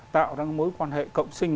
tạo ra mối quan hệ cộng sinh